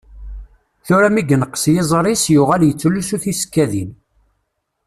Tura mi yenqes yiẓri-s yuɣal yettlusu tisekkadin.